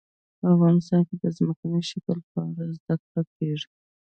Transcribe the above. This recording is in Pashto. افغانستان کې د ځمکنی شکل په اړه زده کړه کېږي.